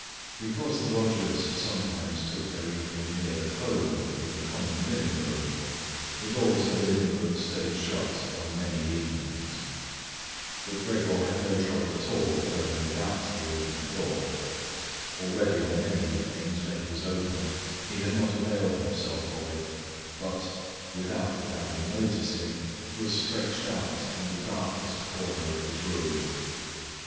Because the lodgers sometimes also took their evening meal at home in the common living room, the door to the living room stayed shut on many evenings. But Gregor had no trouble at all going without the open door. Already on many evenings when it was open he had not availed himself of it, but, without the family noticing, was stretched out in the darkest corner of his room.